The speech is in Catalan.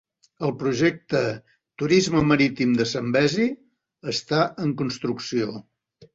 El projecte "Turisme marítim de Zambezi" està en construcció.